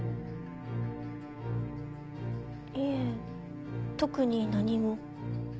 いえ特に何も。